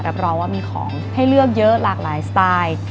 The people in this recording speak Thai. รับรองว่ามีของให้เลือกเยอะหลากหลายสไตล์